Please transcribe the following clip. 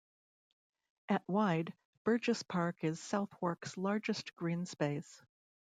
At wide, Burgess Park is Southwark's largest green space.